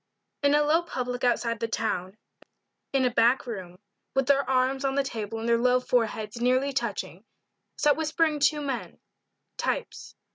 IN a low public outside the town in a back room with their arms on the table and their low foreheads nearly touching, sat whispering two men types.